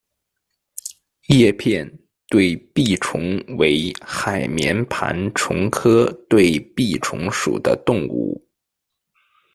叶片对臂虫为海绵盘虫科对臂虫属的动物。